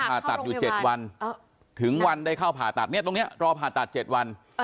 ผ่าตัดอยู่๗วันถึงวันได้เข้าผ่าตัดเนี่ยตรงนี้รอผ่าตัด๗วัน